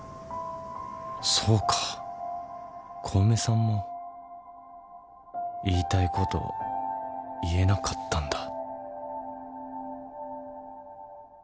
そうか小梅さんも言いたいこと言えなかったんだ。